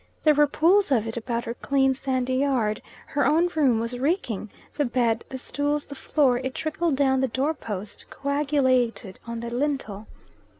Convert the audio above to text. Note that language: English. There were pools of it about her clean, sandy yard. Her own room was reeking, the bed, the stools, the floor; it trickled down the door post; coagulated on the lintel.